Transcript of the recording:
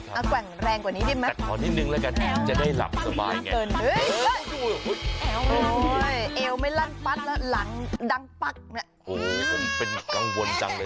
โอ้โฮโอ้โฮโอ้โฮโอ้โฮโอ้โฮโอ้โฮโอ้โฮ